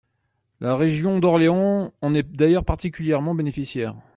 La région d’Orléans en est d’ailleurs particulièrement bénéficiaire.